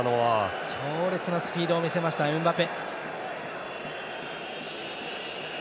強烈なスピードを見せました、エムバペ。